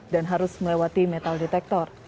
dan harus melewati metal detektor